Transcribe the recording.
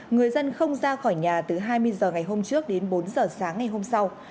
người dân không ra khỏi nhà từ hai mươi h ngày hôm trước đến bốn h sáng ngày hôm sau